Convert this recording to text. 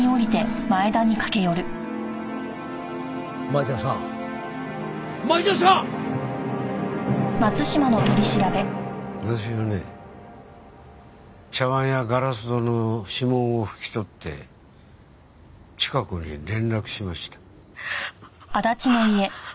私はね茶碗やガラス戸の指紋を拭き取ってチカ子に連絡しました。